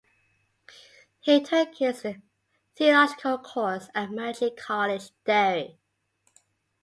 He took his theological course at Magee College, Derry.